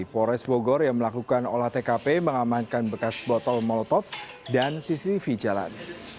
polres bogor yang melakukan olah tkp mengamankan bekas botol molotov dan cctv jalan